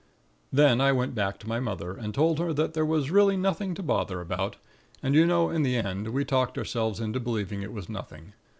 "Then I went back to my mother, and told her there was really nothing to bother about; and, you know, in the end, we talked ourselves into believing it was nothing.